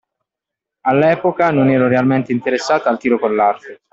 All'epoca non ero realmente interessata al tiro con l'arco.